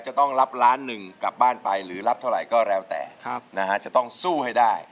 จะต้องรับล้านหนึ่งกลับบ้านไปหรือรับเท่าไหร่ก็แล้วแต่จะต้องสู้ให้ได้